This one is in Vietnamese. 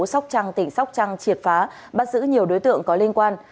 sóc trăng tỉnh sóc trăng triệt phá bắt giữ nhiều đối tượng có liên quan